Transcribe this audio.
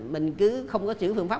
mình cứ không có chuyển phương pháp